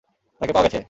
তাকে পাওয়া গেছে?